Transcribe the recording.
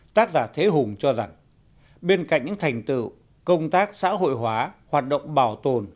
tác giả thế hùng cho rằng bên cạnh những thành tựu công tác xã hội hóa hoạt động bảo tồn